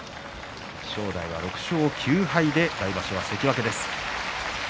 正代６勝９敗で来場所は関脇です。